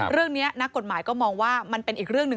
เรื่องนี้นักกฎหมายก็มองว่ามันเป็นอีกเรื่องนึง